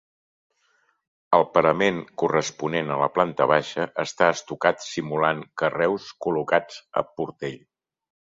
El parament corresponent a la planta baixa està estucat simulant carreus col·locats a portell.